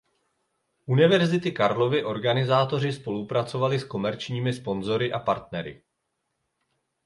Univerzity Karlovy Organizátoři spolupracovali s komerčními sponzory a partnery.